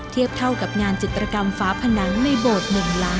เทียบเท่ากับงานจิตรกรรมฝาผนังในโบสถ์หนึ่งหลัง